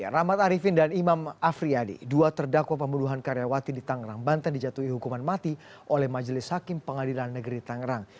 rahmat arifin dan imam afriyadi dua terdakwa pembunuhan karyawati di tangerang banten dijatuhi hukuman mati oleh majelis hakim pengadilan negeri tangerang